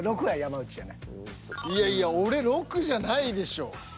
いやいや俺６じゃないでしょ。